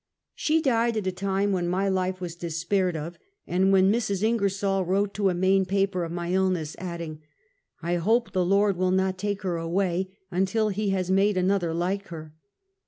She died at a time when my life was despaired of, and when Mrs. Ingersol wrote to a Maine paper of my illness, adding: " I hope the Lord will not take her away, until He has made another like her."